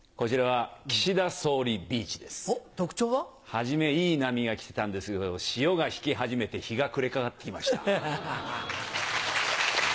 初めいい波が来てたんですけど潮が引き始めて日が暮れかかってきました。